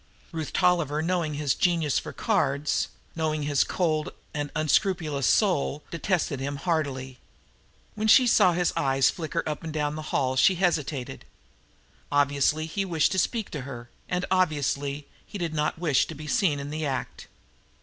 Ruth Tolliver, knowing his genius for the cards, knowing his cold and unscrupulous soul, detested him heartily. When she saw his eyes flicker up and down the hall she hesitated. Obviously he wished to speak with her, and obviously he did not wish to be seen in the act.